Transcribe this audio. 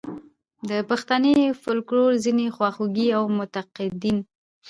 د پښتني فوکلور ځینې خواخوږي او منتقدین.